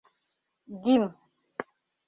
Гим...